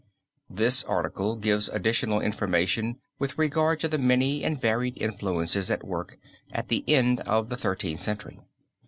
This article gives additional information with regard to the many and varied influences at work at the end of the Thirteenth Century.